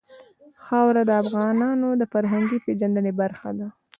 خاوره د افغانانو د فرهنګي پیژندنې برخه ده.